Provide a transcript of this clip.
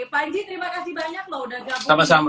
panji terima kasih banyak loh udah gabung